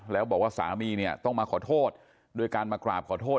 แล้วบอกว่าสามีเนี่ยต้องมาขอโทษด้วยการมากราบขอโทษ